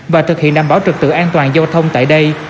và thực hiện đảm bảo trực tự an toàn giao thông tại đây